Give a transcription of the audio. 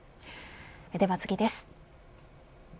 では次です。